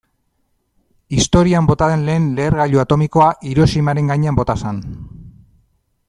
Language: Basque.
Historian bota den lehen lehergailu atomikoa Hiroshimaren gainean bota zen.